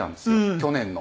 去年の。